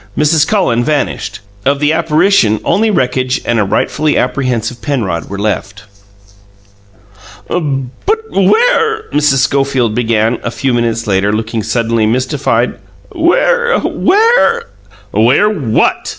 Mrs. Cullen vanished. Of the apparition, only wreckage and a rightfully apprehensive Penrod were left. "But where," Mrs. Schofield began, a few minutes later, looking suddenly mystified "where where " "Where what?"